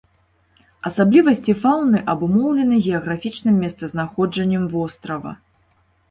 Асаблівасці фаўны абумоўлены геаграфічным месцазнаходжаннем вострава.